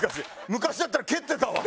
昔だったら蹴ってたわ。